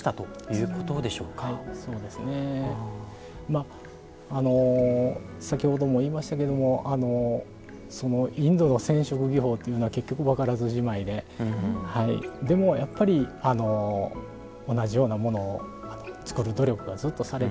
まああの先ほども言いましたけどもそのインドの染織技法っていうのは結局分からずじまいででもやっぱり同じようなものを作る努力はずっとされてたんでしょうね。